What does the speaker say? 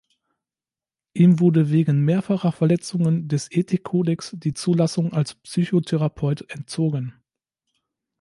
Ihm wurde wegen mehrfacher Verletzungen des Ethik-Kodex die Zulassung als Psychotherapeut entzogen.